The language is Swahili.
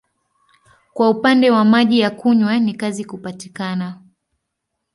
Kwa upande wa maji ya kunywa ni kazi kupatikana.